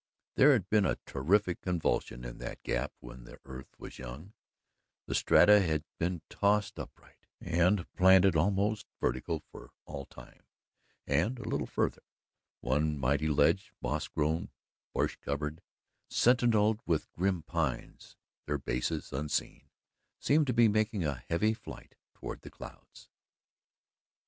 There had been a terrible convulsion in that gap when the earth was young; the strata had been tossed upright and planted almost vertical for all time, and, a little farther, one mighty ledge, moss grown, bush covered, sentinelled with grim pines, their bases unseen, seemed to be making a heavy flight toward the clouds.